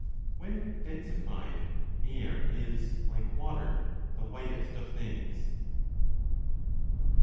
5 When densified, air is, like water, the whitest of things.